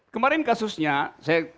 kemarin kasusnya saya